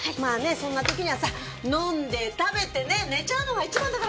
そんな時にはさ飲んで食べてね寝ちゃうのが一番だから。